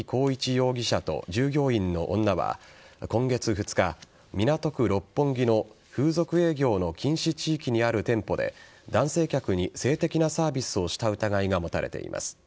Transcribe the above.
容疑者と従業員の女は今月２日、港区六本木の風俗営業の禁止地域にある店舗で男性客に性的なサービスをした疑いが持たれています。